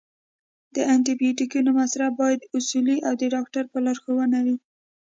د انټي بیوټیکونو مصرف باید اصولي او د ډاکټر په لارښوونه وي.